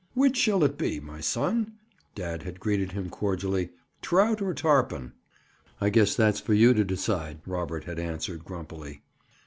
"Which shall it be, my son?" dad had greeted him cordially. "Trout or tarpon?" "I guess that's for you to decide," Robert had answered grumpily.